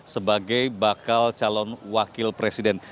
sebagai bakal calon wakil presiden